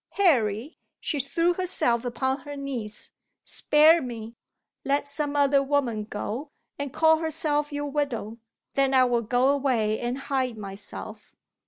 "Harry" she threw herself upon her knees "spare me! Let some other woman go, and call herself your widow. Then I will go away and hide myself."